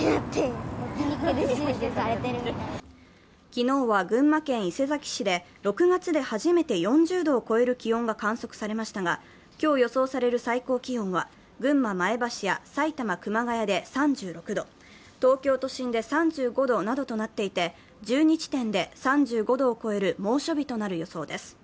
昨日は群馬県伊勢崎市で６月で初めて４０度を超える気温が観測されましたが今日予想される最高気温は群馬・前橋や埼玉・熊谷で３６度、東京都心で３５度などとなっていて、１２地点で３５度を超える猛暑日となる予想です。